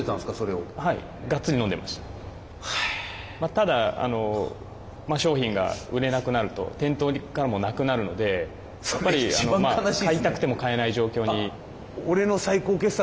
ただ商品が売れなくなると店頭からもなくなるのでやっぱり買いたくても買えない状況に。